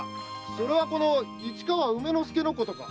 それはこの市川梅之助のことか？